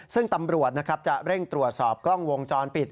ซึ่งตำรวจนะครับจะเร่งตรวจสอบกล้องวงจรปิด